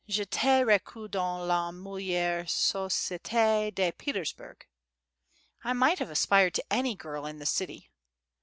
J'etais recu dans la meilleure societe de Petersburg; I might have aspired to any girl in the city.